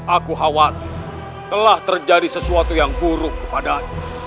aku khawatir telah terjadi sesuatu yang buruk kepada aku